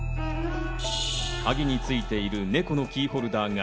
鍵についている猫のキーホルダーが。